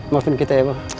maafin kita ya bang